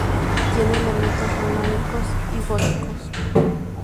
Tiene elementos románicos y góticos.